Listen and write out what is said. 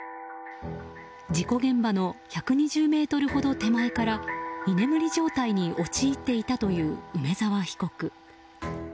事故現場の１２０ｍほど手前から居眠り状態に陥っていたという梅沢被告。